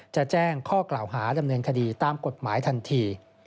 จะแจ้งข้อกล่าวหาดำเนินคดีตามกฎหมายทันที